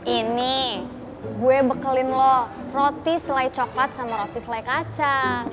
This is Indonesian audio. ini gue bekalin loh roti selai coklat sama roti selai kaca